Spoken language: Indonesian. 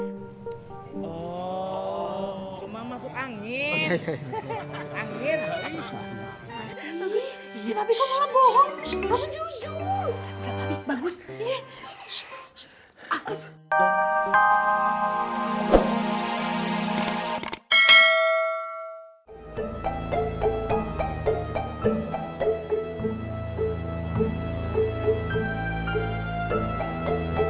tapi ini bagus bagus bagus oh cuma masuk angin ini pake wij nichts bagus aku